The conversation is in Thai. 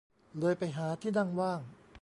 เลยไปหาที่นั่งว่าง